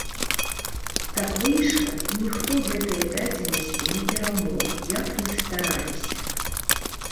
Так выйшла, і ніхто гэтае дадзенасці не перамог, як ні стараліся.